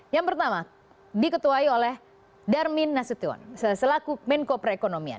yang pertama diketuai oleh darmin nasution selaku menko perekonomian